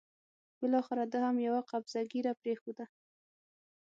بالاخره ده هم یوه قبضه ږیره پرېښوده.